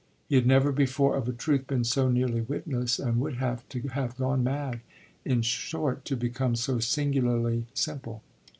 He had never before, of a truth, been so nearly witless, and would have to have gone mad in short to become so singularly simple.